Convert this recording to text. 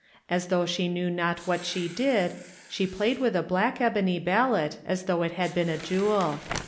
As though she knew not what she did, she played with a black ebony ballot as though it had been a jewel.